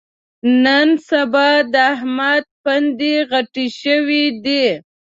نن سبا د احمد پوندې غټې شوې دي.